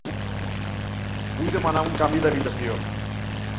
Vull demanar un canvi d'habitació.